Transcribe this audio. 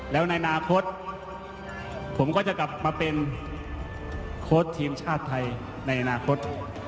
แล้วในอนาคตผมก็จะกลับมาเป็นโค้ชทีมชาติไทยในอนาคต